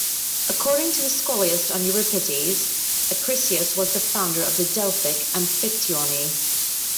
According to the Scholiast on Euripides, Acrisius was the founder of the Delphic amphictyony.